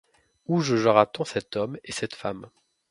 Où jugera-t-on cet homme et cette femme?